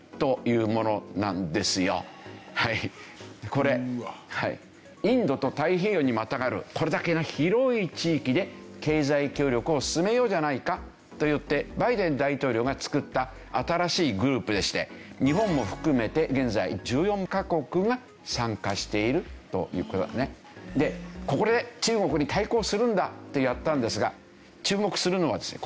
これインドと太平洋にまたがるこれだけの広い地域で経済協力を進めようじゃないかといってバイデン大統領が作った新しいグループでして日本を含めて現在１４カ国が参加しているという。ってやったんですが注目するのはですね